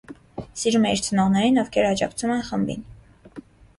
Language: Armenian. Սիրում է իր ծնողներին, ովքեր աջակցում են խմբին։